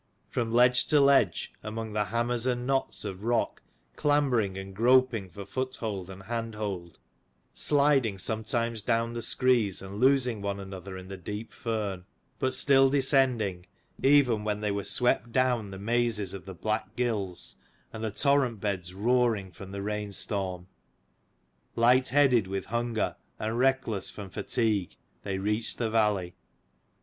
From ledge to ledge, among the hammers and knots of rock, clambering and groping for foothold and hand T 145 hold, sliding sometimes down the screes and losing one another in the deep fern : but still descending, even when they were swept down the mazes of the black gills and the torrent beds roaring from the rain storm : lightheaded with hunger, and reckless from fatigue, they reached the valley.